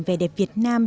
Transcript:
vẻ đẹp việt nam